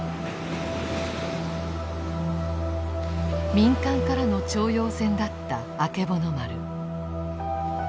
民間からの徴用船だったあけぼの丸。